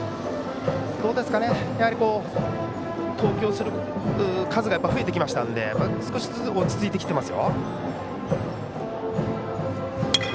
どうですかね、やはり投球数が増えてきたので少しずつ落ち着いてきています。